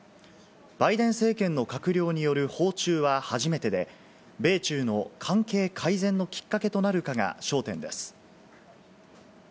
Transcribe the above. バイデン政権の閣僚による訪中は初めてで、米中の関係改善のきっかけとなるかが焦点です。